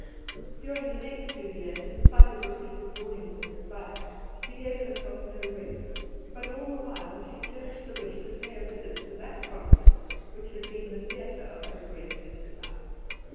During the next two years, in spite of repeated warnings and advice, she gave herself no rest, but all the while she cherished the wish to pay a visit to that continent which had been the theatre of her great enterprise.